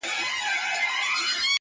لار سوه ورکه له سپاهیانو غلامانو!!